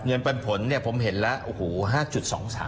ปันผลเนี่ยผมเห็นแล้วโอ้โห๕๒๓